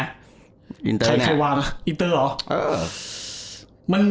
ใครวางอ่ะอินเตอร์เหรอ